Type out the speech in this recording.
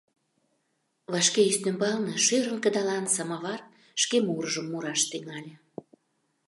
Вашке ӱстембалне шӧрын кыдалан самовар шке муржым мураш тӱҥале.